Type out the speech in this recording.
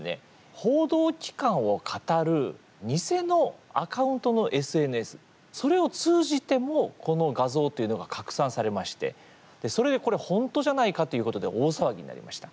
報道機関をかたる偽のアカウントのＳＮＳそれを通じてもこの画像というのが拡散されましてそれでこれ本当じゃないかということで大騒ぎになりました。